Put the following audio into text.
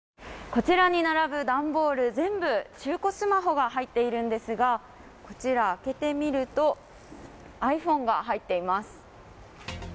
こちらに並ぶ段ボール、全部中古スマホが入っているんですが、こちら開けてみるとｉＰｈｏｎｅが入っています。